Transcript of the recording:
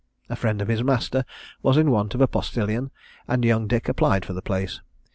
A friend of his master was in want of a postilion, and young Dick applied for the place.